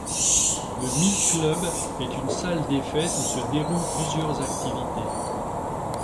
Le mille-club est une salle des fêtes où se déroulent plusieurs activités.